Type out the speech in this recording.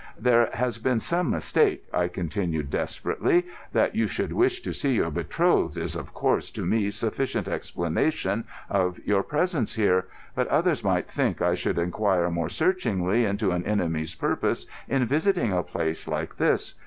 "There has been some mistake," I continued desperately. "That you should wish to see your betrothed is, of course, to me sufficient explanation of your presence here. But others might think I should inquire more searchingly into an enemy's purpose in visiting a place like this.